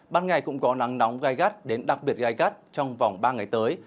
ban ngày cũng có nắng nóng gai gắt đến đặc biệt gai gắt trong vòng ba ngày tới